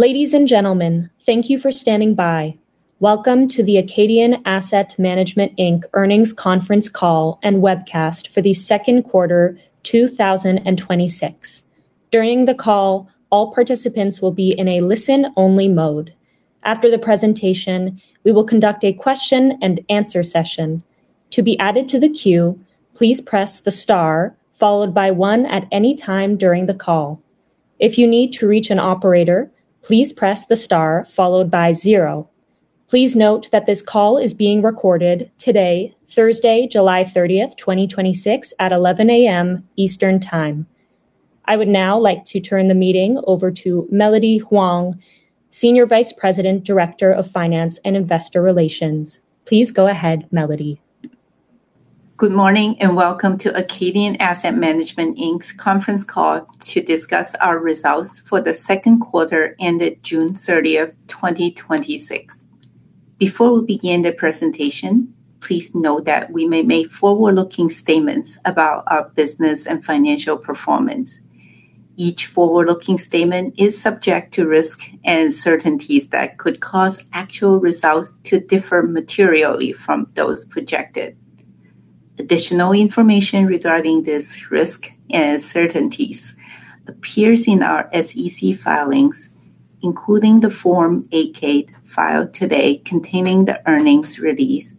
Ladies and gentlemen, thank you for standing by. Welcome to the Acadian Asset Management Inc earnings conference call and webcast for the second quarter 2026. During the call, all participants will be in a listen-only mode. After the presentation, we will conduct a question-and-answer session. To be added to the queue, please press the star followed by one at any time during the call. If you need to reach an operator, please press the star followed by zero. Please note that this call is being recorded today, Thursday, July 30th, 2026, at 11:00 A.M. Eastern Time. I would now like to turn the meeting over to Melody Huang, Senior Vice President, Director of Finance and Investor Relations. Please go ahead, Melody. Good morning and welcome to Acadian Asset Management Inc's conference call to discuss our results for the second quarter ended June 30th, 2026. Before we begin the presentation, please note that we may make forward-looking statements about our business and financial performance. Each forward-looking statement is subject to risks and uncertainties that could cause actual results to differ materially from those projected. Additional information regarding this risk and uncertainties appears in our SEC filings, including the Form 8-K filed today containing the earnings release,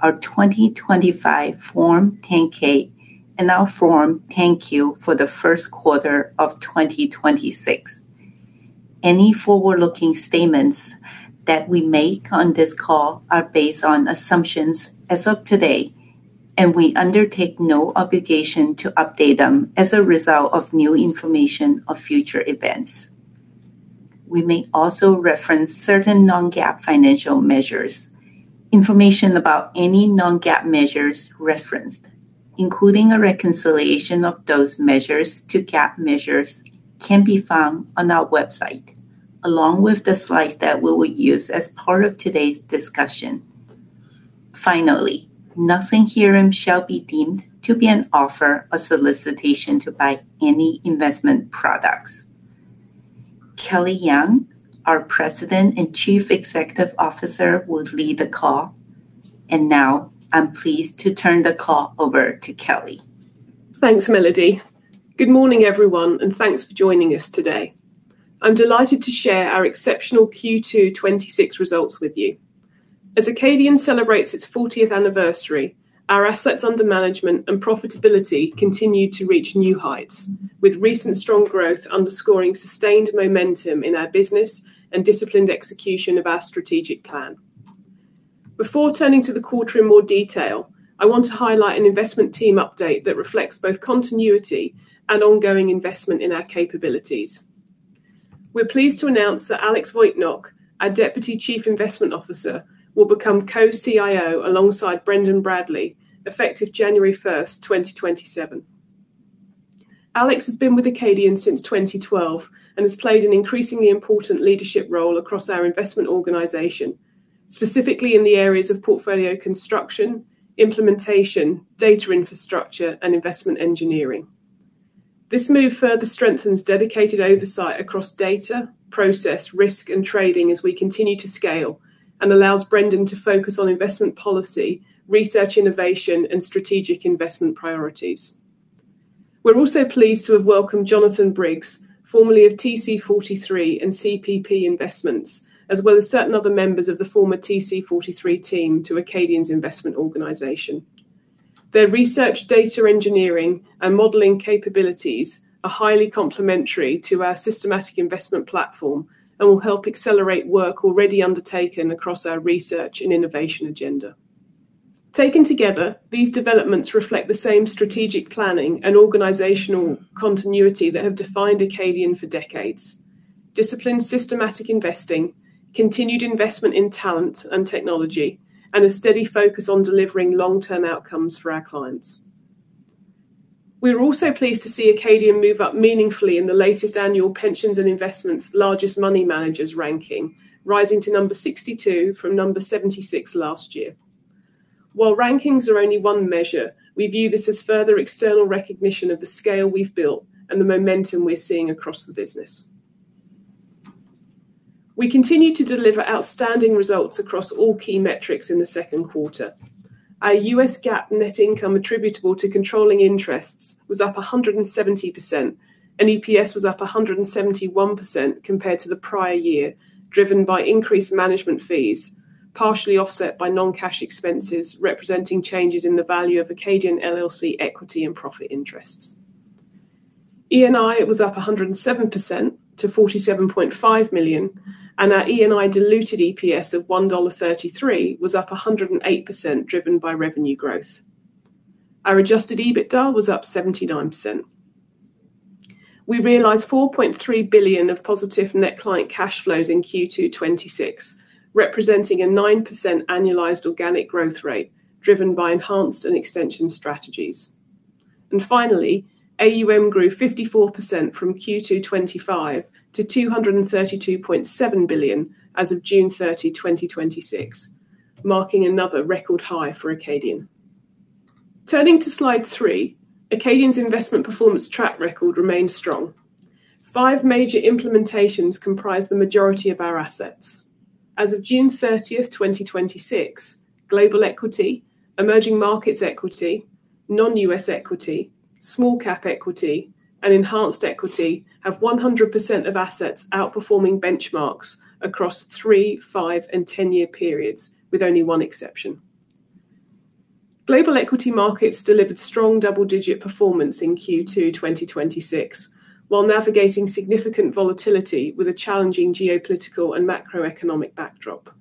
our 2025 Form 10-K, and our Form 10-Q for the first quarter of 2026. Any forward-looking statements that we make on this call are based on assumptions as of today, and we undertake no obligation to update them as a result of new information or future events. We may also reference certain non-GAAP financial measures. Information about any non-GAAP measures referenced, including a reconciliation of those measures to GAAP measures, can be found on our website, along with the slides that we will use as part of today's discussion. Finally, nothing herein shall be deemed to be an offer or solicitation to buy any investment products. Kelly Young, our President and Chief Executive Officer, will lead the call. Now I'm pleased to turn the call over to Kelly. Thanks, Melody. Good morning, everyone, and thanks for joining us today. I'm delighted to share our exceptional Q2 2026 results with you. As Acadian celebrates its 40th anniversary, our assets under management and profitability continue to reach new heights, with recent strong growth underscoring sustained momentum in our business and disciplined execution of our strategic plan. Before turning to the quarter in more detail, I want to highlight an investment team update that reflects both continuity and ongoing investment in our capabilities. We're pleased to announce that Alex Voitenok, our Deputy Chief Investment Officer, will become Co-CIO alongside Brendan Bradley, effective January 1st, 2027. Alex has been with Acadian since 2012 and has played an increasingly important leadership role across our investment organization, specifically in the areas of portfolio construction, implementation, data infrastructure, and investment engineering. This move further strengthens dedicated oversight across data, process, risk, and trading as we continue to scale and allows Brendan to focus on investment policy, research innovation, and strategic investment priorities. We are also pleased to have welcomed Jonathan Briggs, formerly of TC43 and CPP Investments, as well as certain other members of the former TC43 team to Acadian's investment organization. Their research, data engineering, and modeling capabilities are highly complementary to our systematic investment platform and will help accelerate work already undertaken across our research and innovation agenda. Taken together, these developments reflect the same strategic planning and organizational continuity that have defined Acadian for decades. Disciplined, systematic investing, continued investment in talent and technology, and a steady focus on delivering long-term outcomes for our clients. We are also pleased to see Acadian move up meaningfully in the latest annual Pensions & Investments Largest Money Managers ranking, rising to number 62 from number 76 last year. While rankings are only one measure, we view this as further external recognition of the scale we have built and the momentum we are seeing across the business. We continue to deliver outstanding results across all key metrics in the second quarter. Our U.S. GAAP net income attributable to controlling interests was up 170%, and EPS was up 171% compared to the prior year, driven by increased management fees, partially offset by non-cash expenses representing changes in the value of Acadian LLC equity and profit interests. ENI was up 107% to $47.5 million, and our ENI diluted EPS of $1.33 was up 108%, driven by revenue growth. Our adjusted EBITDA was up 79%. We realized $4.3 billion of positive net client cash flows in Q2 2026, representing a 9% annualized organic growth rate, driven by Enhanced and Extension strategies. Finally, AUM grew 54% from Q2 2025 to $232.7 billion as of June 30, 2026, marking another record high for Acadian. Turning to slide three, Acadian's investment performance track record remains strong. Five major implementations comprise the majority of our assets. As of June 30, 2026, Global Equity, Emerging Markets Equity, non-U.S. equity, Small-Cap Equity, and Enhanced Equity have 100% of assets outperforming benchmarks across three, five, and 10-year periods, with only one exception. Global equity markets delivered strong double-digit performance in Q2 2026, while navigating significant volatility with a challenging geopolitical and macroeconomic backdrop.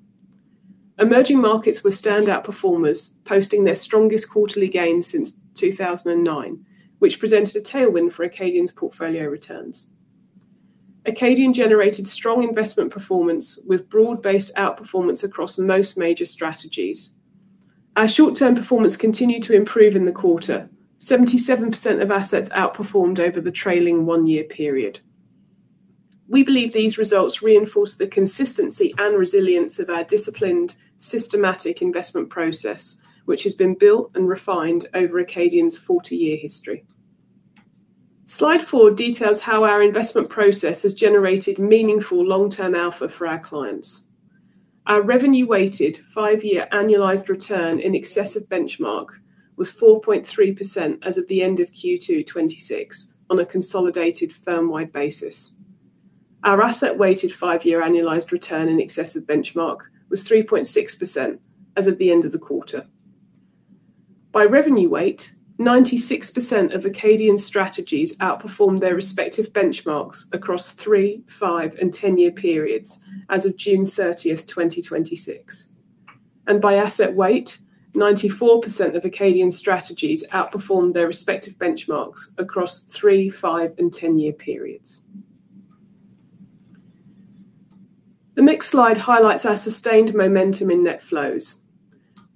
Emerging markets were standout performers, posting their strongest quarterly gain since 2009, which presented a tailwind for Acadian's portfolio returns. Acadian generated strong investment performance with broad-based outperformance across most major strategies. Our short-term performance continued to improve in the quarter, 77% of assets outperformed over the trailing one-year period. We believe these results reinforce the consistency and resilience of our disciplined, systematic investment process, which has been built and refined over Acadian's 40-year history. Slide four details how our investment process has generated meaningful long-term alpha for our clients. Our revenue-weighted five-year annualized return in excess of benchmark was 4.3% as of the end of Q2 2026 on a consolidated firm-wide basis. Our asset-weighted five-year annualized return in excess of benchmark was 3.6% as of the end of the quarter. By revenue weight, 96% of Acadian strategies outperformed their respective benchmarks across three, five, and 10-year periods as of June 30, 2026. By asset weight, 94% of Acadian strategies outperformed their respective benchmarks across three, five, and 10-year periods. The next slide highlights our sustained momentum in net flows.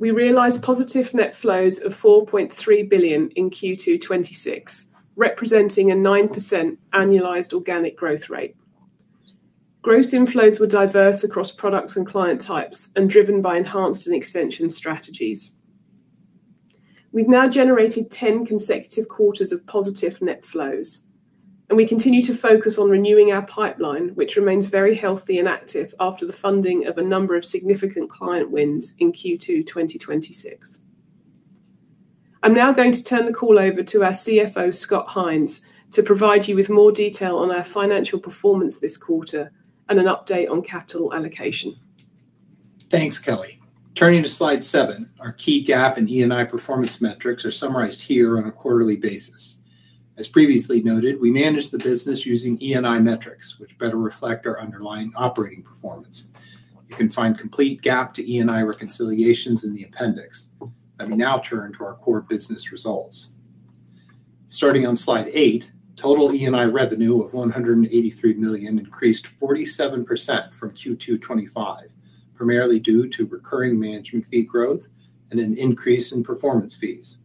We realized positive net flows of $4.3 billion in Q2 2026, representing a 9% annualized organic growth rate. Gross inflows were diverse across products and client types, and driven by Enhanced and Extension strategies. We've now generated 10 consecutive quarters of positive net flows, and we continue to focus on renewing our pipeline, which remains very healthy and active after the funding of a number of significant client wins in Q2 2026. I'm now going to turn the call over to our CFO, Scott Hynes, to provide you with more detail on our financial performance this quarter and an update on capital allocation. Thanks, Kelly. Turning to slide seven, our key GAAP and ENI performance metrics are summarized here on a quarterly basis. As previously noted, we manage the business using ENI metrics, which better reflect our underlying operating performance. You can find complete GAAP to ENI reconciliations in the appendix. Let me now turn to our core business results. Starting on slide eight, total ENI revenue of $183 million increased 47% from Q2 2025, primarily due to recurring management fee growth and an increase in performance fees.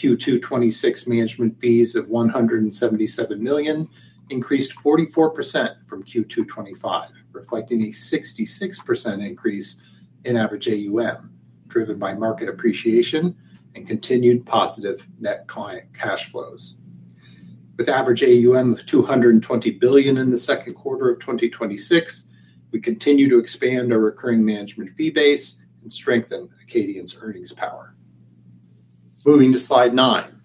Q2 2026 management fees of $177 million increased 44% from Q2 2025, reflecting a 66% increase in average AUM, driven by market appreciation and continued positive net client cash flows. With average AUM of $220 billion in the second quarter of 2026, we continue to expand our recurring management fee base and strengthen Acadian's earnings power. Moving to slide nine.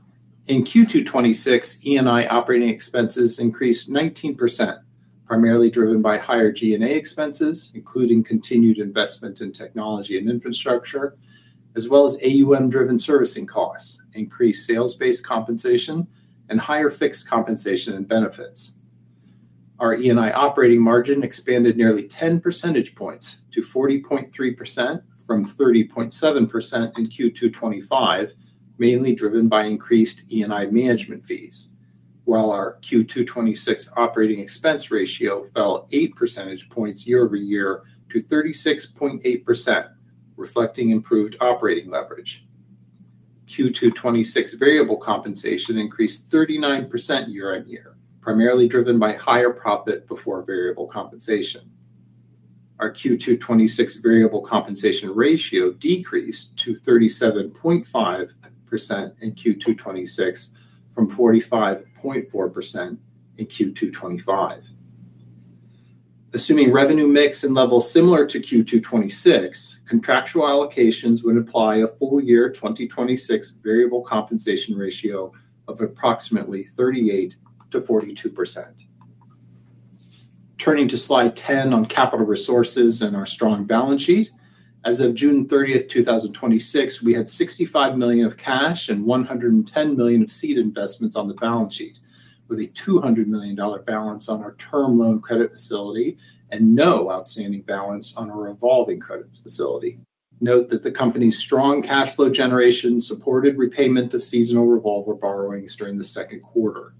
In Q2 2026, ENI operating expenses increased 19%, primarily driven by higher G&A expenses, including continued investment in technology and infrastructure, as well as AUM-driven servicing costs, increased sales-based compensation, and higher fixed compensation and benefits. Our ENI operating margin expanded nearly 10 percentage points to 40.3%, from 30.7% in Q2 2025, mainly driven by increased ENI management fees. While our Q2 2026 operating expense ratio fell 8 percentage points year-over-year to 36.8%, reflecting improved operating leverage. Q2 2026 variable compensation increased 39% year-on-year, primarily driven by higher profit before variable compensation. Our Q2 2026 variable compensation ratio decreased to 37.5% in Q2 2026 from 45.4% in Q2 2025. Assuming revenue mix and levels similar to Q2 2026, contractual allocations would imply a full year 2026 variable compensation ratio of approximately 38%-42%. Turning to slide 10 on capital resources and our strong balance sheet. As of June 30th, 2026, we had $65 million of cash and $110 million of seed investments on the balance sheet, with a $200 million balance on our term loan credit facility and no outstanding balance on our revolving credit facility. Note that the company's strong cash flow generation supported repayment of seasonal revolver borrowings during the second quarter.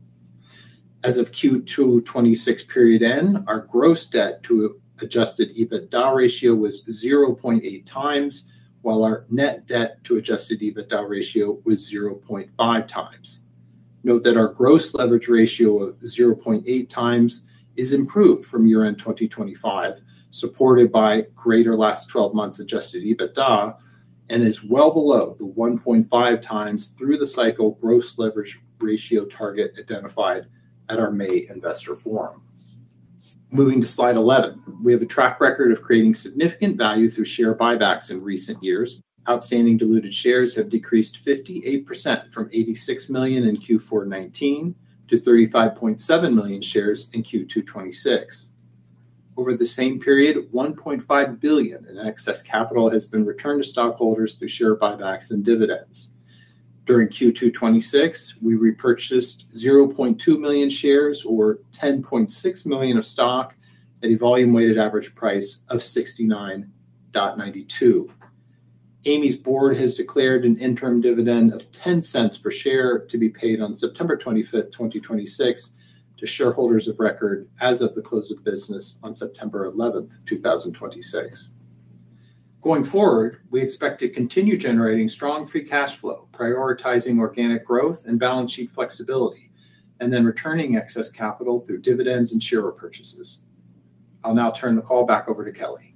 As of Q2 2026 period end, our gross debt to adjusted EBITDA ratio was 0.8x, while our net debt to adjusted EBITDA ratio was 0.5x. Note that our gross leverage ratio of 0.8x is improved from year-end 2025, supported by greater last 12 months adjusted EBITDA, and is well below the 1.5x through the cycle gross leverage ratio target identified at our May investor forum. Moving to slide 11. We have a track record of creating significant value through share buybacks in recent years. Outstanding diluted shares have decreased 58% from 86 million in Q4 2019 to 35.7 million shares in Q2 2026. Over the same period, $1.5 billion in excess capital has been returned to stockholders through share buybacks and dividends. During Q2 2026, we repurchased 0.2 million shares or $10.6 million of stock at a volume weighted average price of $69.92. AAMI's Board has declared an interim dividend of $0.10 per share to be paid on September 25th, 2026 to shareholders of record as of the close of business on September 11th, 2026. Going forward, we expect to continue generating strong free cash flow, prioritizing organic growth and balance sheet flexibility, then returning excess capital through dividends and share repurchases. I'll now turn the call back over to Kelly.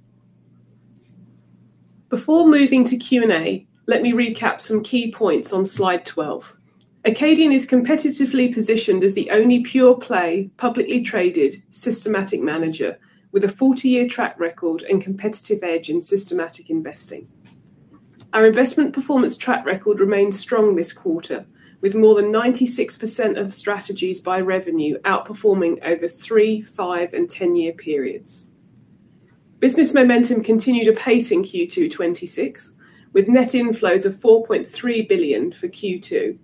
Before moving to Q&A, let me recap some key points on slide 12. Acadian is competitively positioned as the only pure-play, publicly traded, systematic manager with a 40-year track record and competitive edge in systematic investing. Our investment performance track record remained strong this quarter, with more than 96% of strategies by revenue outperforming over three, five, and 10-year periods. Business momentum continued apace in Q2 2026, with net inflows of $4.3 billion for Q2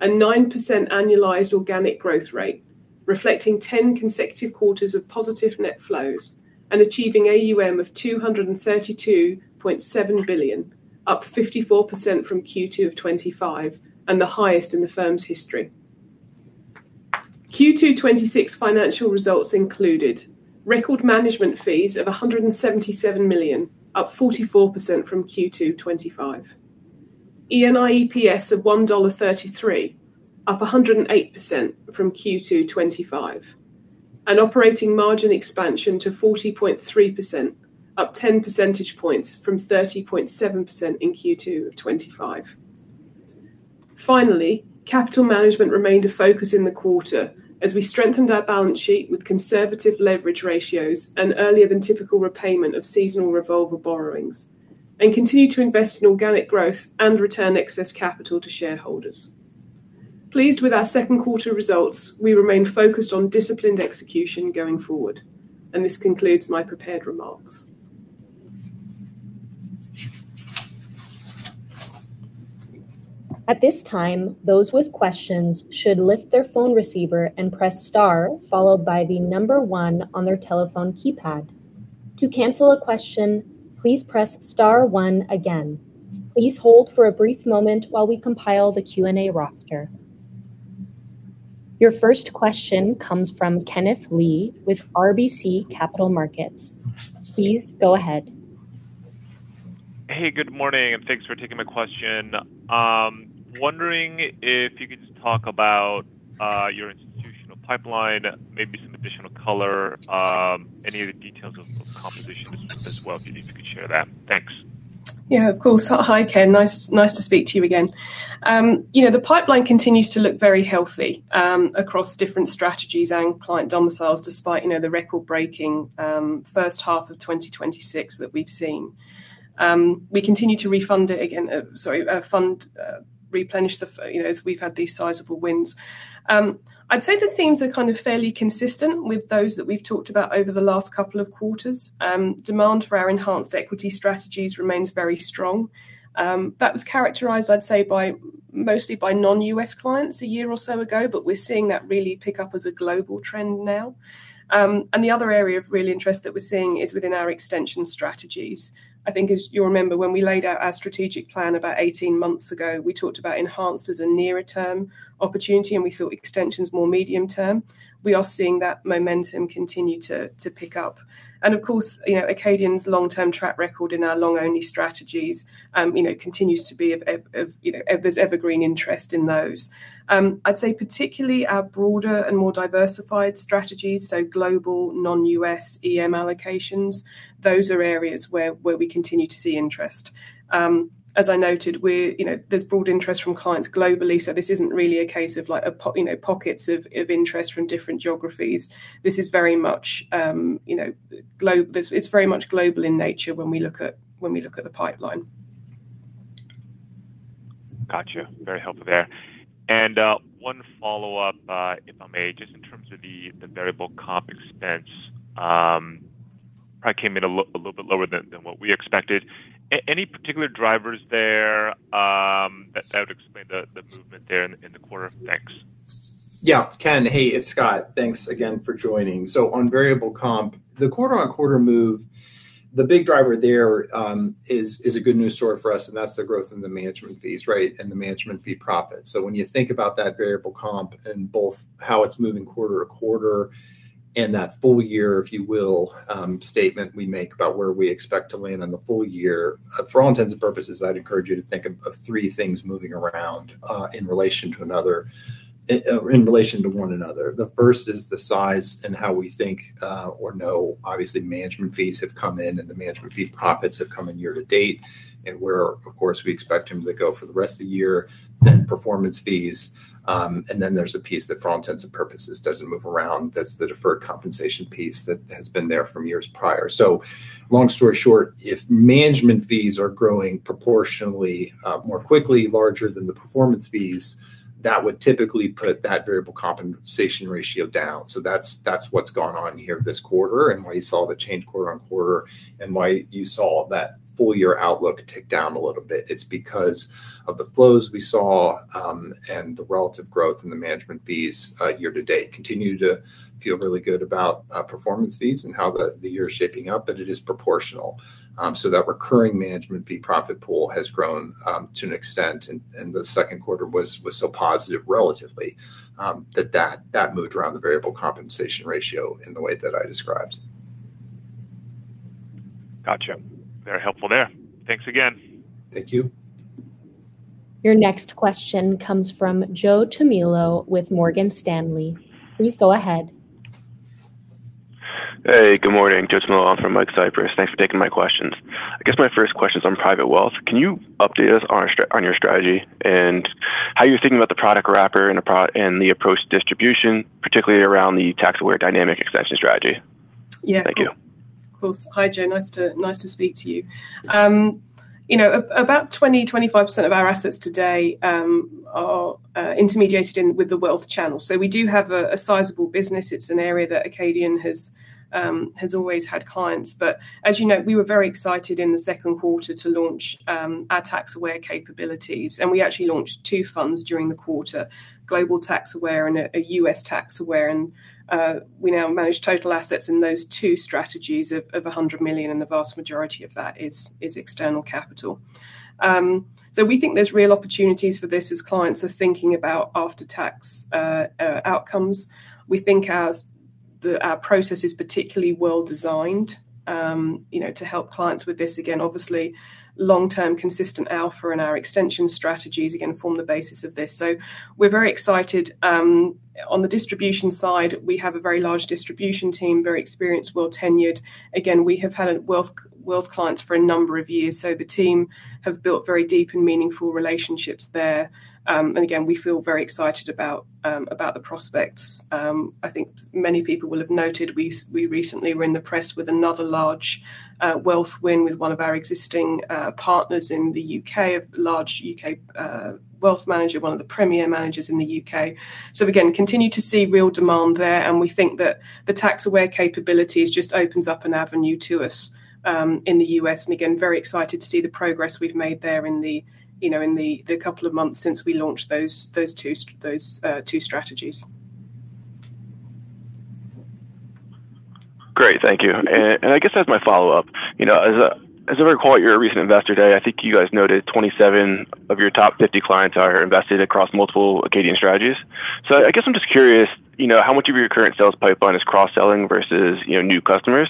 and 9% annualized organic growth rate, reflecting 10 consecutive quarters of positive net flows and achieving AUM of $232.7 billion, up 54% from Q2 2025, the highest in the firm's history. Q2 2026 financial results included record management fees of $177 million, up 44% from Q2 2025. ENI EPS of $1.33, up 108% from Q2 2025. An operating margin expansion to 40.3%, up 10 percentage points from 30.7% in Q2 2025. Finally, capital management remained a focus in the quarter as we strengthened our balance sheet with conservative leverage ratios and earlier than typical repayment of seasonal revolver borrowings, and continue to invest in organic growth and return excess capital to shareholders. Pleased with our second quarter results, we remain focused on disciplined execution going forward. This concludes my prepared remarks. At this time, those with questions should lift their phone receiver and press star followed by the number one on their telephone keypad. To cancel a question, please press star one again. Please hold for a brief moment while we compile the Q&A roster. Your first question comes from Kenneth Lee with RBC Capital Markets. Please go ahead. Hey, good morning, and thanks for taking my question. Wondering if you could just talk about your institutional pipeline, maybe some additional color, any of the details of composition as well, if you think you could share that. Thanks. Yeah, of course. Hi, Ken. Nice to speak to you again. The pipeline continues to look very healthy across different strategies and client domiciles, despite the record-breaking first half of 2026 that we've seen. We continue to fund replenish as we've had these sizable wins. I'd say the themes are kind of fairly consistent with those that we've talked about over the last couple of quarters. Demand for our Enhanced Equity strategies remains very strong. That was characterized, I'd say, mostly by non-U.S. clients a year or so ago, but we're seeing that really pick up as a global trend now. The other area of real interest that we're seeing is within our Extension strategies. I think as you'll remember, when we laid out our strategic plan about 18 months ago, we talked about Enhanced as a nearer term opportunity, and we thought Extensions more medium term. We are seeing that momentum continue to pick up. Of course, Acadian's long-term track record in our long-only strategies continues to be of evergreen interest in those. I'd say particularly our broader and more diversified strategies, so Global non-U.S. EM allocations, those are areas where we continue to see interest. As I noted, there's broad interest from clients globally, so this isn't really a case of pockets of interest from different geographies. It's very much global in nature when we look at the pipeline. Got you. Very helpful there. One follow-up, if I may, just in terms of the variable comp expense. Probably came in a little bit lower than what we expected. Any particular drivers there that would explain the movement there in the quarter? Thanks. Yeah. Ken, hey, it's Scott. Thanks again for joining. On variable comp, the quarter-over-quarter move. The big driver there is a good news story for us, and that's the growth in the management fees and the management fee profit. When you think about that variable comp in both how it's moving quarter-over-quarter and that full year, if you will, statement we make about where we expect to land on the full year, for all intents and purposes, I'd encourage you to think of three things moving around in relation to one another. The first is the size and how we think or know, obviously, management fees have come in and the management fee profits have come in year-to-date. Where, of course, we expect them to go for the rest of the year, then performance fees. Then there's a piece that for all intents and purposes, doesn't move around. That's the deferred compensation piece that has been there from years prior. Long story short, if management fees are growing proportionally more quickly, larger than the performance fees, that would typically put that variable compensation ratio down. That's what's gone on here this quarter and why you saw the change quarter-over-quarter and why you saw that full-year outlook tick down a little bit. It's because of the flows we saw and the relative growth in the management fees year-to-date. Continue to feel really good about performance fees and how the year is shaping up, but it is proportional. That recurring management fee profit pool has grown to an extent, and the second quarter was so positive relatively that moved around the variable compensation ratio in the way that I described. Got you. Very helpful there. Thanks again. Thank you. Your next question comes from Joe Tumillo with Morgan Stanley. Please go ahead. Hey, good morning, Joe from Michael Cyprys. Thanks for taking my questions. My first question is on private wealth. Can you update us on your strategy and how you're thinking about the product wrapper and the approach to distribution, particularly around the Tax-Aware Dynamic Extension strategy? Yeah. Thank you. Of course. Hi, Joe. Nice to speak to you. About 20%-25% of our assets today are intermediated in with the wealth channel. We do have a sizable business. It is an area that Acadian has always had clients. As you know, we were very excited in the second quarter to launch our Tax-Aware capabilities, and we actually launched two funds during the quarter, Global Tax-Aware and a U.S. Tax-Aware. We now manage total assets in those two strategies of $100 million, and the vast majority of that is external capital. We think there is real opportunities for this as clients are thinking about after-tax outcomes. We think our process is particularly well-designed to help clients with this. Again, obviously, long-term, consistent alpha in our Extension strategies, again, form the basis of this. We are very excited. On the distribution side, we have a very large distribution team, very experienced, well tenured. Again, we have had wealth clients for a number of years, the team have built very deep and meaningful relationships there. Again, we feel very excited about the prospects. I think many people will have noted we recently were in the press with another large wealth win with one of our existing partners in the U.K., a large U.K. wealth manager, one of the premier managers in the U.K. Again, continue to see real demand there, and we think that the Tax-Aware capabilities just opens up an avenue to us in the U.S. Again, very excited to see the progress we have made there in the couple of months since we launched those two strategies. Great. Thank you. I guess that is my follow-up. As I recall at your recent Investor Day, I think you guys noted 27 of your top 50 clients are invested across multiple Acadian strategies. I guess I am just curious, how much of your current sales pipeline is cross-selling versus new customers?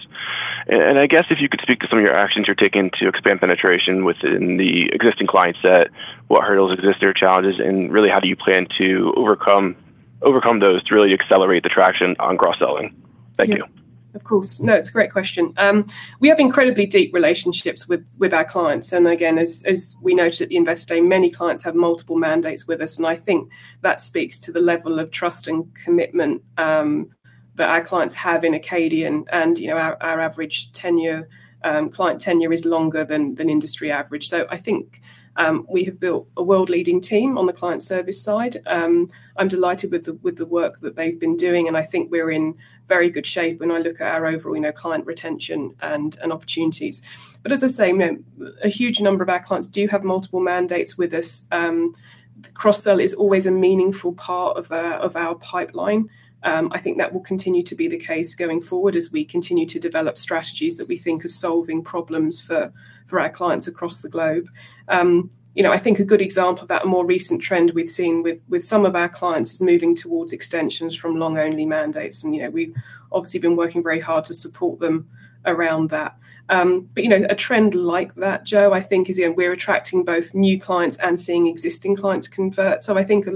I guess if you could speak to some of your actions you are taking to expand penetration within the existing client set, what hurdles exist or challenges, and really how do you plan to overcome those to really accelerate the traction on cross-selling? Thank you. Yeah. Of course. It is a great question. We have incredibly deep relationships with our clients. Again, as we noted at the Investor Day, many clients have multiple mandates with us, and I think that speaks to the level of trust and commitment that our clients have in Acadian. Our average client tenure is longer than industry average. I think we have built a world-leading team on the client service side. I am delighted with the work that they have been doing, and I think we are in very good shape when I look at our overall client retention and opportunities. As I say, a huge number of our clients do have multiple mandates with us. The cross-sell is always a meaningful part of our pipeline. I think that will continue to be the case going forward as we continue to develop strategies that we think are solving problems for our clients across the globe. I think a good example of that, a more recent trend we've seen with some of our clients is moving towards extensions from long-only mandates, and we've obviously been working very hard to support them around that. A trend like that, Joe, I think is we're attracting both new clients and seeing existing clients convert. I think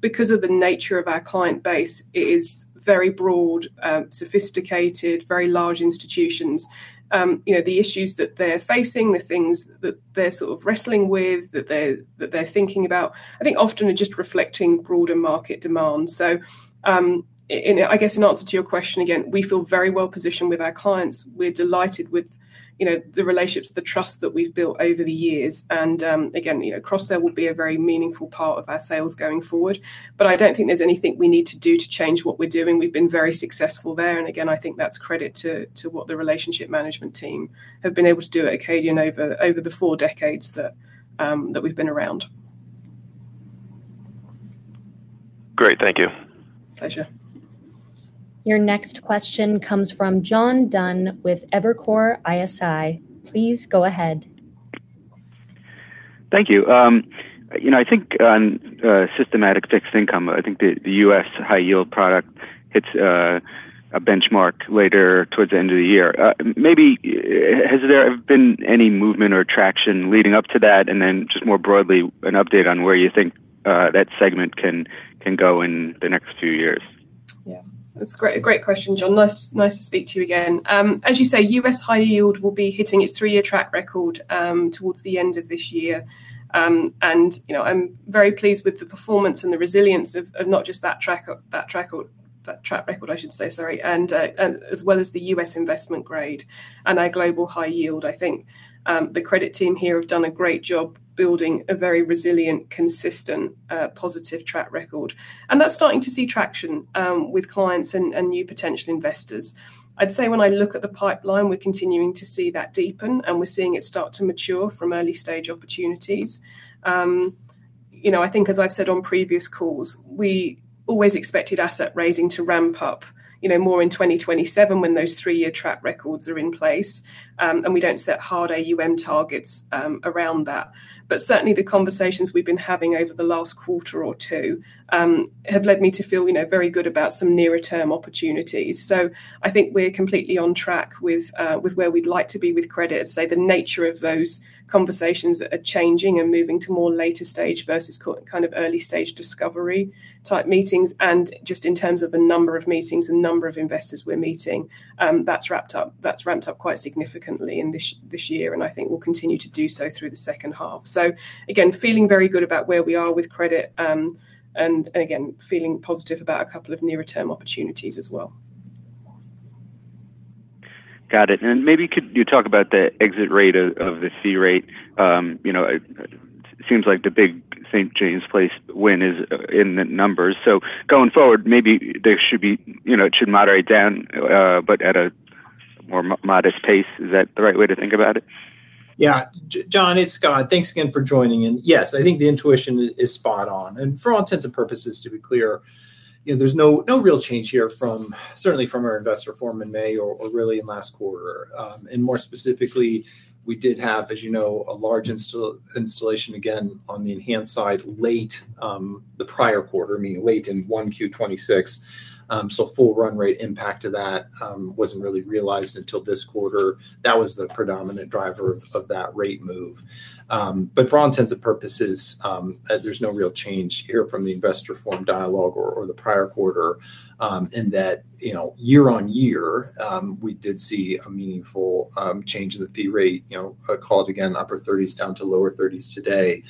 because of the nature of our client base, it is very broad, sophisticated, very large institutions. The issues that they're facing, the things that they're sort of wrestling with, that they're thinking about, I think often are just reflecting broader market demands. I guess in answer to your question, again, we feel very well-positioned with our clients. We're delighted with the relationship, the trust that we've built over the years. Again, cross-sell will be a very meaningful part of our sales going forward. I don't think there's anything we need to do to change what we're doing. We've been very successful there, and again, I think that's credit to what the relationship management team have been able to do at Acadian over the four decades that we've been around. Great. Thank you. Thanks, yeah. Your next question comes from John Dunn with Evercore ISI. Please go ahead. Thank you. I think systematic fixed income, I think the U.S. High Yield product hits a benchmark later towards the end of the year. Maybe has there been any movement or traction leading up to that? Then just more broadly, an update on where you think that segment can go in the next few years. Yeah, that's a great question, John. Nice to speak to you again. As you say, U.S. High Yield will be hitting its three-year track record towards the end of this year. I'm very pleased with the performance and the resilience of not just that track record, I should say, sorry, as well as the U.S. Investment Grade and our Global High Yield. I think the credit team here have done a great job building a very resilient, consistent positive track record. That's starting to see traction with clients and new potential investors. I'd say when I look at the pipeline, we're continuing to see that deepen, and we're seeing it start to mature from early stage opportunities. I think as I've said on previous calls, we always expected asset raising to ramp up more in 2027 when those three-year track records are in place, and we don't set hard AUM targets around that. Certainly the conversations we've been having over the last quarter or two have led me to feel very good about some nearer term opportunities. I think we're completely on track with where we'd like to be with credit. I'd say the nature of those conversations are changing and moving to more later stage versus early stage discovery type meetings. Just in terms of the number of meetings and number of investors we're meeting, that's ramped up quite significantly in this year, and I think will continue to do so through the second half. Again, feeling very good about where we are with credit, and again, feeling positive about a couple of nearer term opportunities as well. Got it. maybe could you talk about the exit rate of the fee rate? It seems like the big St. James's Place win is in the numbers. going forward, maybe it should moderate down, but at a more modest pace. Is that the right way to think about it? Yeah. John, it's Scott. Thanks again for joining in. Yes, I think the intuition is spot on. for all intents and purposes, to be clear, there's no real change here certainly from our investor forum in May or really in last quarter. more specifically, we did have, as you know, a large installation again on the Enhanced side late the prior quarter, meaning late in 1Q 2026. full run rate impact of that wasn't really realized until this quarter. That was the predominant driver of that rate move. for all intents and purposes, there's no real change here from the investor forum dialogue or the prior quarter. In that year-over-year, we did see a meaningful change in the fee rate, call it again, upper-30s down to lower-30s today.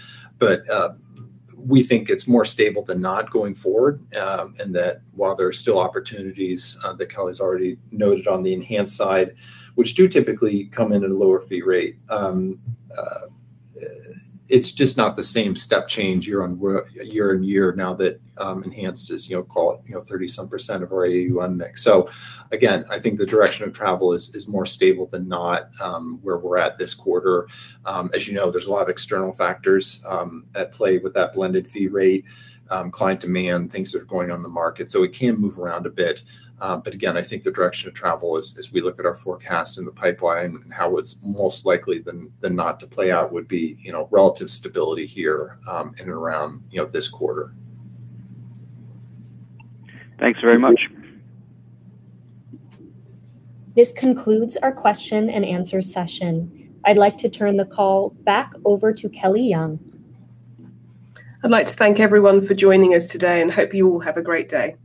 we think it's more stable than not going forward. That while there are still opportunities that Kelly's already noted on the Enhanced side, which do typically come in at a lower fee rate, it's just not the same step change year-over-year now that Enhanced is call it, 30% some percent of our AUM mix. again, I think the direction of travel is more stable than not where we're at this quarter. As you know, there's a lot of external factors at play with that blended fee rate, client demand, things that are going on in the market. it can move around a bit. again, I think the direction of travel as we look at our forecast in the pipeline and how it's most likely than not to play out would be relative stability here in and around this quarter. Thanks very much. This concludes our question and answer session. I'd like to turn the call back over to Kelly Young. I'd like to thank everyone for joining us today, and hope you all have a great day.